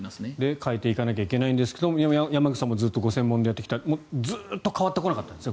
変えていかなければいけないんですが山口さんもずっとご専門でやってきたずっと変わってこなかったんですか？